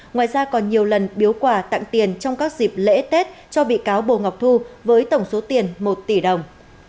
ngoài ra còn nhiều lần biếu quà tặng tiền trong các dịp lễ tết cho bị cáo bồ ngọc thu với tổng số tiền một tỷ đồng